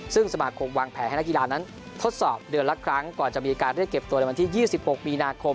ซึ่งสมาคมวางแผนให้นักกีฬานั้นทดสอบเดือนละครั้งก่อนจะมีการเรียกเก็บตัวในวันที่๒๖มีนาคม